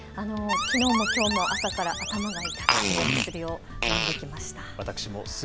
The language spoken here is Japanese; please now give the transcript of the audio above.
きのうもきょうも朝から頭が痛くて薬をのんできました。